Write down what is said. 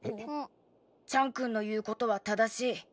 チャンくんの言うことは正しい。